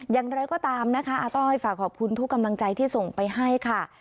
อย่างไรก็ตามนะคะอาต้อยฝากขอบคุณทุกกำลังใจที่ส่งไปให้ค่ะ